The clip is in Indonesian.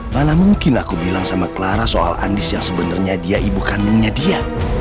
malah mungkin aku bilang sama clara soal andis yang sebenarnya dia ibu kandungnya dia